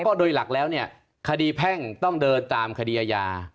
เพราะโดยหลักแล้วเนี่ยคดีแพ่งต้องเดินตามคดีอาญา